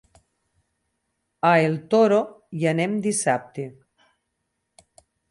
A el Toro hi anem dissabte.